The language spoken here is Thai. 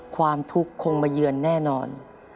ความทุกข์คงมาเยือนแน่นอน